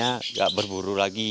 pembangunan berpuluhan tahun size